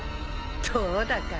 どうだか。